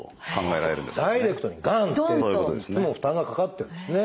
ダイレクトにガンッていつも負担がかかってるんですね。